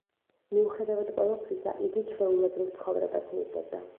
მიუხედავად ყველაფრისა, იგი ჩვეულებრივ ცხოვრებას მისდევდა.